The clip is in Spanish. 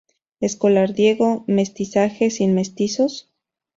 Escolar, Diego "¿Mestizaje sin mestizos?